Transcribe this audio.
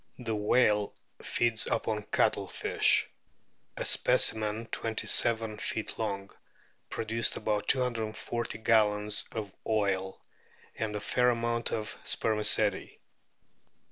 The whale feeds upon cuttlefish. A specimen twenty seven feet long produced about 240 gallons of oil, and a fair amount of spermaceti.